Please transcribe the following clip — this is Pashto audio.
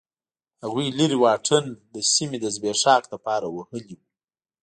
هغوی لرې واټن د سیمې د زبېښاک لپاره وهلی و.